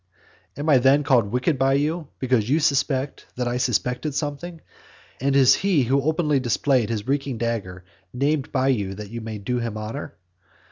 Am I then called wicked by you because you suspect that I suspected something; and is he who openly displayed his reeking dagger, named by you that you may do him honour?